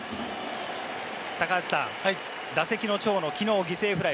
打席の長野は昨日、犠牲フライ。